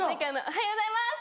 「おはようございます」。